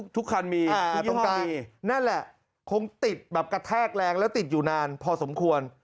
ทุกคันมีคือต้องการนั่นแหละคงติดแบบกระแทกแรงแล้วติดอยู่นานพอสมควร